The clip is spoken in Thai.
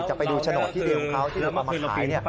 ไปดูโฉนดที่ดินของเขาที่เราเอามาขาย